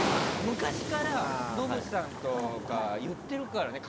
昔からノブさんとか言ってるからね。